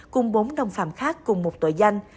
cùng bốn đồng phạm khác cùng một tội danh